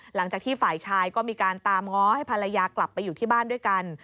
หลังจากที่ฝ่ายชายก็มีการตามง้อให้ภรรยากลับไปอยู่ที่บ้านด้วยกัน